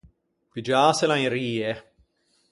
Piggiâsela in rie.